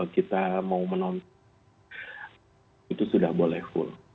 kita mau menonton itu sudah boleh full